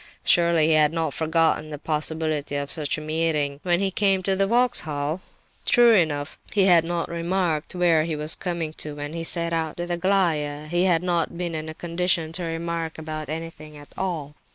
Surely he had not forgotten the possibility of such a meeting when he came to the Vauxhall? True enough, he had not remarked where he was coming to when he set out with Aglaya; he had not been in a condition to remark anything at all.